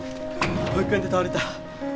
保育園で倒れた。